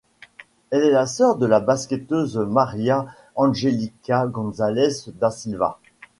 Elle est la sœur de la basketteuse Maria Angélica Gonçalves da Silva.